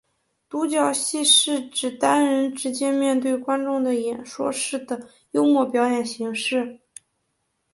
独角戏是指单人直接面对观众的演说式的幽默表演形式。